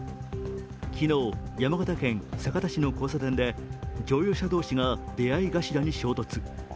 昨日、山形県酒田市の交差点で乗用車同士が出会い頭に衝突。